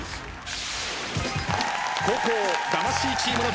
後攻魂チームの挑戦。